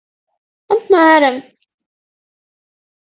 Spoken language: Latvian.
Apmēram.